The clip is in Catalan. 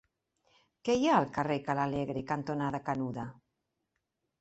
Què hi ha al carrer Ca l'Alegre cantonada Canuda?